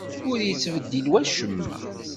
Ur yettbeddil wacemma.